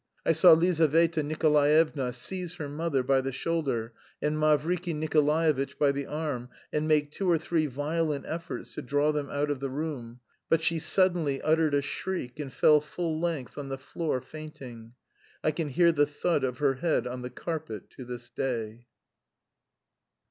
I saw Lizaveta Nikolaevna seize her mother by the shoulder and Mavriky Nikolaevitch by the arm and make two or three violent efforts to draw them out of the room. But she suddenly uttered a shriek, and fell full length on the floor, fainting. I can hear the thud of her head on the carpet to this day.